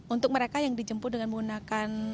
untuk mereka yang dijemput dengan menggunakan